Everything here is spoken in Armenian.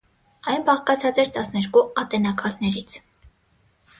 Այն բաղկացած էր տասներկու ատենակալներից։